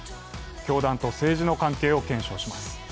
教団と政治の関係を検証します。